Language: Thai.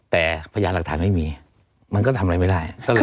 แต่พยานหลักฐานไม่มีมันก็ทำอะไรไม่ได้